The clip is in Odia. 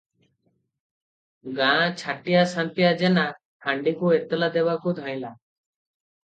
ଗାଁ ଛାଟିଆ ସନ୍ତିଆ ଜେନା ଫାଣ୍ତିକୁ ଏତଲା ଦେବାକୁ ଧାଇଁଲା ।